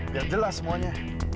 biar jelas semuanya